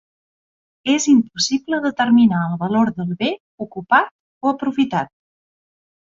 És impossible determinar el valor del bé ocupat o aprofitat.